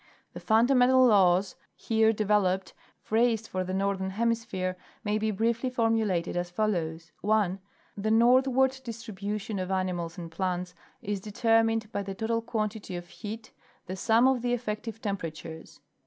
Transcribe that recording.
The fundamental laws here developed, phrased for the northern hemisphere, may be briefly formulated as follows : (1) The northward distribution of animals and plants is de termined by the total quantity of heat—the sum of the effective temperatures.